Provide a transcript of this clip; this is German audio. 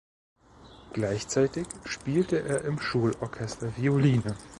Gleichzeitig spielte er im Schulorchester Violine.